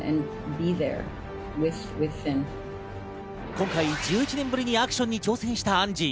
今回１１年ぶりにアクションに挑戦したアンジー。